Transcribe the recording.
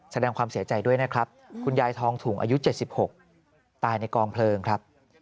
แสดงความเสียใจด้วยนะครับคุณยายทองถุงอายุ๗๖ตายในกองเพลิงครับ